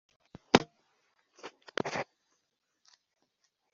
repubulika y u rwanda na umutwe wa sena